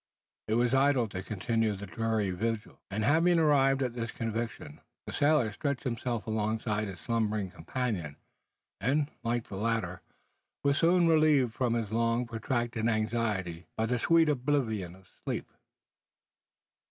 It was idle to continue the dreary vigil; and having arrived at this conviction, the sailor stretched himself alongside his slumbering companion, and, like the latter, was soon relieved from his long protracted anxiety by the sweet oblivion of sleep.